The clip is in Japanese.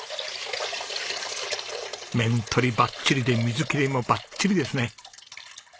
面取りバッチリで水切れもバッチリですね。